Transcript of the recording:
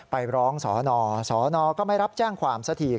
ไปร้องสอนอสนก็ไม่รับแจ้งความสักที